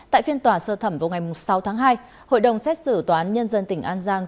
tại phiên tòa sơ thẩm vào ngày sáu tháng hai hội đồng xét xử tòa án nhân dân tỉnh an giang